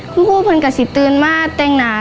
คุณผู้พลกับศิษย์ตื่นมาแต่งหนา